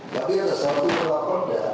tapi ada satu yang berlaku